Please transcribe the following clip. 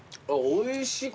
おいしい。